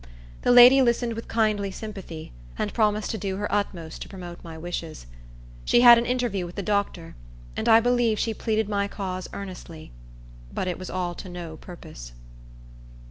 The lady listened with kindly sympathy, and promised to do her utmost to promote my wishes. She had an interview with the doctor, and I believe she pleaded my cause earnestly; but it was all to no purpose.